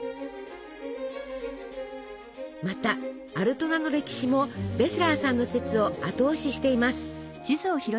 またアルトナの歴史もベセラーさんの説を後押ししています。